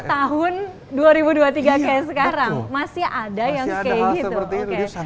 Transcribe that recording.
untuk tahun dua ribu dua puluh tiga kayak sekarang